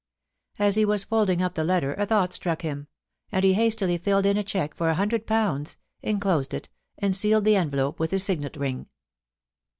As he was folding up the letter a thought struck him, and he hastily filled in a cheque for a hundred pounds, enclosed it, and sealed the envelope with his signet ring.